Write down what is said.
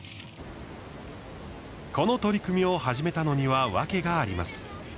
この取り組みを始めたのには訳があります。